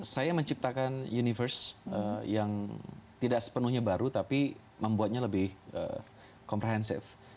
saya menciptakan universe yang tidak sepenuhnya baru tapi membuatnya lebih komprehensif